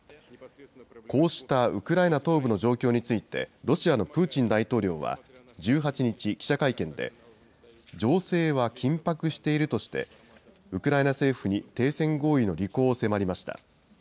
こうしたウクライナ東部の状況について、ロシアのプーチン大統領は、１８日、記者会見で、情勢は緊迫しているとして、ウクライナ政府に停戦合意の履行を迫りました。